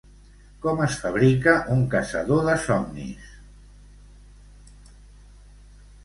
Com es fabrica un caçador de somnis?